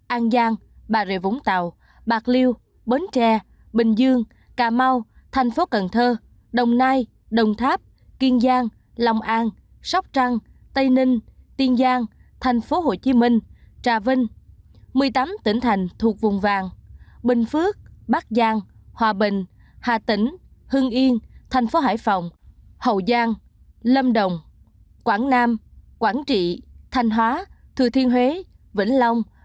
an giang bà rệ vũng tàu bạc liêu bến tre bình dương cà mau thành phố cần thơ đồng nai đồng tháp kiên giang lòng an sóc trăng tây ninh tiên giang thành phố hồ chí minh trà vinh một mươi tám tỉnh thành thuộc vùng vàng bình phước bắc giang hòa bình hà tĩnh hưng yên thành phố hải phòng hậu giang lâm đồng quảng nam quảng trị thanh hóa thừa thiên huế vĩnh long